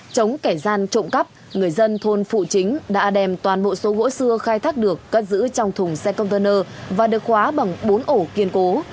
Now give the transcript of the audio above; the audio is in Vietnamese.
công an phụ chính đã đem toàn bộ số gỗ xưa khai thác được cất giữ trong thùng xe container và được khóa bằng bốn ổ kiên cố